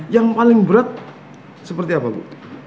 yang paling berat seperti apa bu